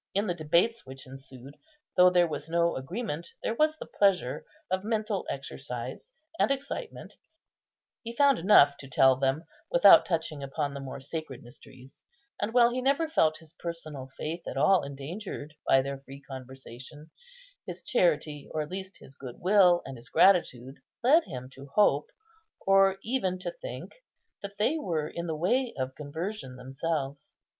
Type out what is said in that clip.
In the debates which ensued, though there was no agreement, there was the pleasure of mental exercise and excitement; he found enough to tell them without touching upon the more sacred mysteries; and while he never felt his personal faith at all endangered by their free conversation, his charity, or at least his good will and his gratitude, led him to hope, or even to think, that they were in the way of conversion themselves.